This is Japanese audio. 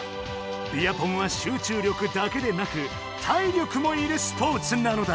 ビアポンはしゅう中力だけでなく体力もいるスポーツなのだ。